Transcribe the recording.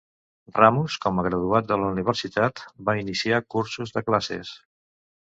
Ramus, com a graduat de la universitat, va iniciar cursos de classes.